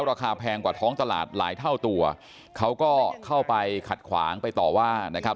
แพงกว่าท้องตลาดหลายเท่าตัวเขาก็เข้าไปขัดขวางไปต่อว่านะครับ